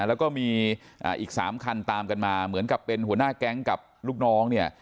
แล้วก็มีอีก๓คันตามกันมาเหมือนกับเป็นหัวหน้าแก๊งกับลูกน้องเนี่ย